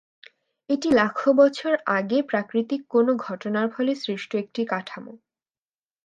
এটি লাখো বছর আগে প্রাকৃতিক কোনো ঘটনার ফলে সৃষ্ট একটি কাঠামো।